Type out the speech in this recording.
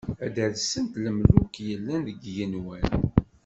Ad d-rsent lemluk, yellan deg yigenwan.